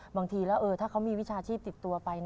บางทีแล้วถ้าเขามีวิชาชีพติดตัวไป